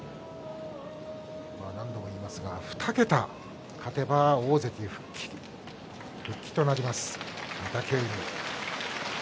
何度も言いますが２桁勝てば大関復帰となります、御嶽海。